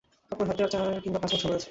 আপনার হাতে আর চার কিংবা পাঁচ মাস সময় আছে।